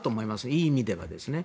いい意味でですね。